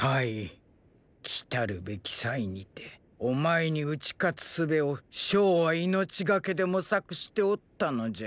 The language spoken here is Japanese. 来たるべき“祭”にてお前に討ち勝つ術を象は命懸けで模索しておったのじゃ。